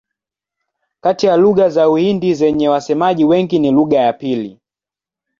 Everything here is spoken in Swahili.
Kati ya lugha za Uhindi zenye wasemaji wengi ni lugha ya pili.